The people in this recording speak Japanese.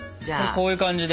こういう感じで。